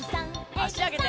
あしあげて。